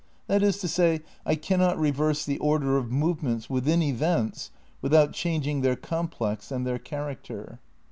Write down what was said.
That is to say, I cannot reverse the order of move menta within events without changing their complex and their character.